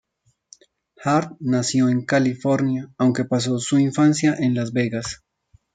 Hart nació en California, aunque pasó su infancia en Las Vegas.